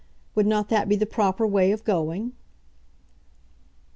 Would not that be the proper way of going?